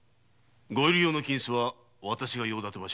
ご入用の金子は私が用立てましょう。